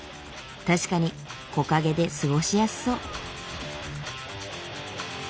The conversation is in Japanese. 確かに木陰で過ごしやすそう。